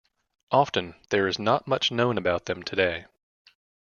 Often, there is not much known about them today.